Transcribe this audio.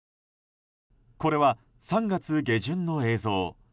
これは３月下旬の映像。